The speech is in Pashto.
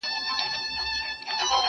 زاړه خلک چوپتيا غوره کوي.